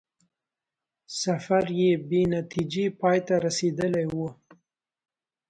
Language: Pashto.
سفر یې بې نتیجې پای ته رسېدلی وو.